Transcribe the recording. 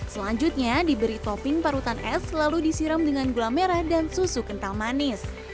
selanjutnya diberi topping parutan es lalu disiram dengan gula merah dan susu kental manis